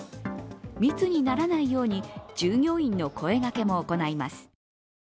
密にならないように従業員の声がけも行います。